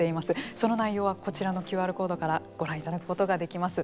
その内容はこちらのＱＲコードからご覧いただくことができます。